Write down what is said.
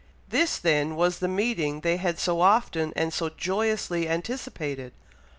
This then was the meeting they had so often, and so joyously anticipated!